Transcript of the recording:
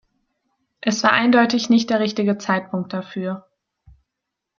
Es war eindeutig nicht der richtige Zeitpunkt dafür.